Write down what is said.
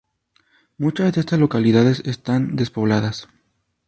Muchas de estas localidades están despobladas.